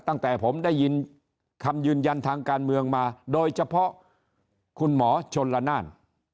ตั้งแต่ผมได้ยินคำยืนยันทางการเมืองมาโดยเฉพาะคุณหมอชนละนาน